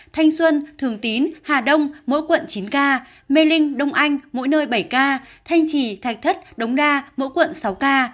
thanh xuân thường tín hà đông mỗi quận chín ca mê linh đông anh mỗi nơi bảy ca thanh trì thạch thất đống đa mỗi quận sáu ca